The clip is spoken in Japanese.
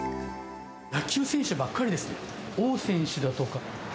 野球選手ばっかりですね。